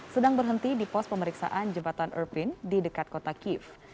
sedang berhenti di pos pemeriksaan jembatan erpin di dekat kota kiev